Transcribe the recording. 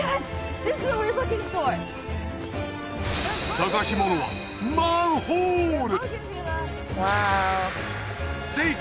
探し物はマンホール！聖地